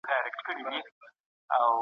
د ماشومانو حقونو ته باید پوره درناوی وشي.